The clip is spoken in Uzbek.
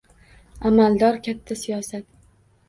Amaldor katta siyosat.